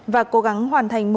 và cố gắng hoàn thành mục tiêu